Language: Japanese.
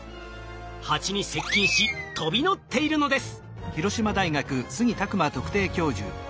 ハチに接近し飛び乗っているのです。